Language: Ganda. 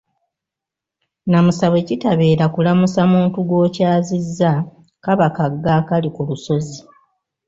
Nnamusa bwe kitabeera kulamusa muntu gw’okyazizza kaba kagga akali ku lusozi.